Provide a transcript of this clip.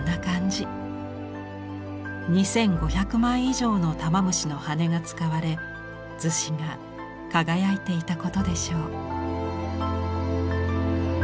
２，５００枚以上の玉虫の羽が使われ厨子が輝いていたことでしょう。